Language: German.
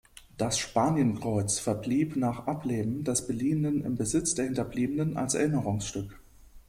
Das Spanienkreuz verblieb nach Ableben des Beliehenen im Besitz der Hinterbliebenen als Erinnerungsstück.